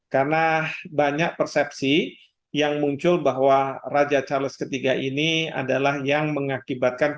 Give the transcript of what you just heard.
karena banyak persepsi yang muncul bahwa raja charles iii ini adalah yang mengakibatkan